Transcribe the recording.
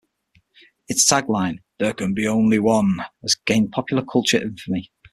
Its tagline, "There can only be one" has gained popular culture infamy.